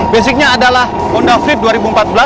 basicnya adalah honda free dua ribu empat belas